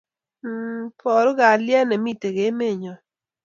N iboru kalyet ne mitei emenyo.